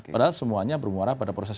padahal semuanya bermuara pada proses